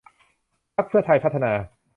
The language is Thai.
พรรคเพื่อไทยพัฒนา